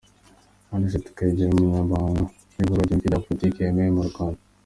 Anicet Kayigema Umunyamabanga Nshingwabikorwa w’ihuriro ry’imitwe ya politiki yemewe mu Rwanda.